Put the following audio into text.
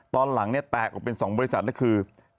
ตอนหลังเนี่ยแตกออกเป็น๒บริษัทก็คือ